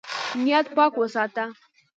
نیت پاک وساته.